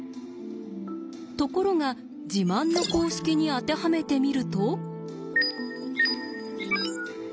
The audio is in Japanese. ところが自慢の公式に当てはめてみると。